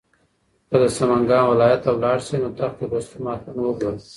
که د سمنګان ولایت ته لاړ شې نو تخت رستم حتماً وګوره.